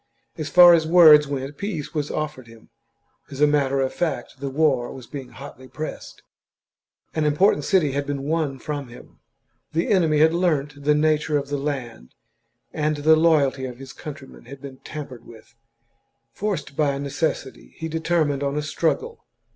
As far as words went peace was offered him, as a matter of fact the war was being hotly pressed ; an important city had been won from him, the enemy had learnt 1/4 THE JUGURTHINE WAR. CHAP, the nature of the land, and the loyalty of his country men had been tampered with. Forced by necessity, he determined on a struggle.